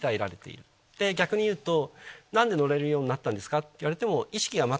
逆にいうと何で乗れるようになったんですかって言われても。